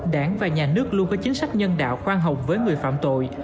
đảng và nhà nước luôn có chính sách nhân đạo khoan hồng với người phạm tội